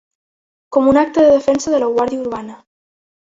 Com un acte de defensa de la guàrdia urbana.